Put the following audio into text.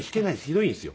ひどいんですよ。